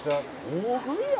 「大食いや！